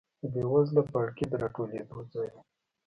د بېوزله پاړکي د راټولېدو ځای و.